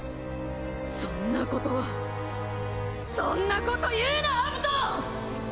そんなことそんなこと言うなアブト！